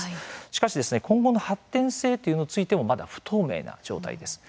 しかし、今後の発展性というのについてもまだ不透明な状態です。